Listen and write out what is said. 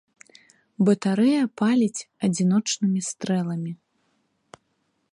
Батарэя паліць адзіночнымі стрэламі.